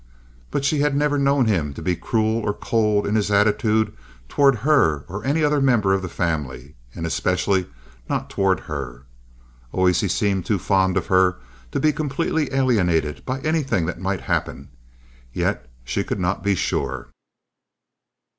But she had never known him to be cruel or cold in his attitude toward her or any other member of the family, and especially not toward her. Always he seemed too fond of her to be completely alienated by anything that might happen; yet she could not be sure.